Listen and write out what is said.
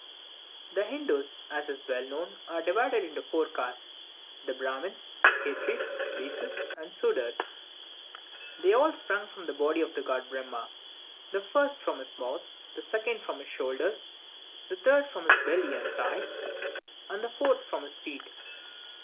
The Hindoos, as is well known, are divided into four castes the Brahmins, Khetries, Bices and Sooders. They all sprung from the body of the god Brahma: the first from his mouth, the second from his shoulders, the third from his belly and thighs, and the fourth from his feet.